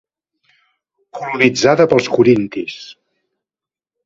Colonitzada pels corintis.